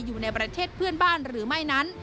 อยู่ในประเทศเพื่อนบ้านหรือไม่นั้น